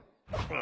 あ！